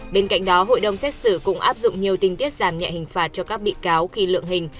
bên cạnh đó hội đồng xét xử cũng áp dụng nhiều tình tiết giảm nhẹ hình phạt cho các bị cáo khi lượng hình